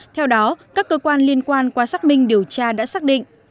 theo đó các cơ quan liên quan qua xác minh điều tra đã xác định